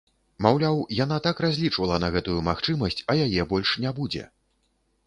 Маўляў, яна так разлічвала на гэтую магчымасць, а яе больш не будзе.